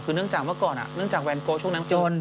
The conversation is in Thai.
คือเนื่องจากเมื่อก่อนเนื่องจากแวนโกช่วงนั้นจน